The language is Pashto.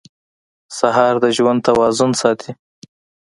سهار د ژوند توازن ساتي.